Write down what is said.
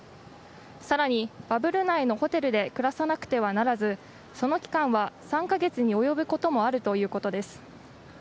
さらに、バブル内のホテルで暮らさなくてはならずその期間は３カ月に及ぶこともあるということです。